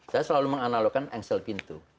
saya selalu menganalogkan engsel pintu